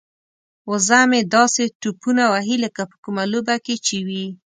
وزه مې داسې ټوپونه وهي لکه په کومه لوبه کې چې وي.